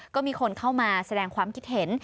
ก็มีคนเข้ามาแสดงความคิดเห็น